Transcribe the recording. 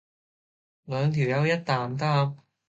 兩條友一擔擔